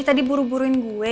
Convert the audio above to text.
tadi buru buruin gue